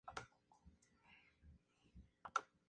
Simmons añade elementos paranormales a una historia real.